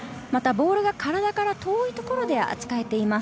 ボールが体から遠いところで扱えています。